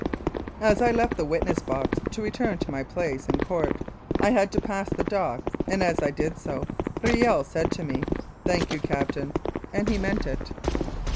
As I left the witness box to return to my place in court, I had to pass the dock, and as I did so Riel said to me, "Thank you, Captain,*' and he meant it.